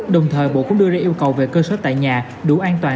đồng thời bộ cũng đưa ra yêu cầu về cơ sở tại nhà đủ an toàn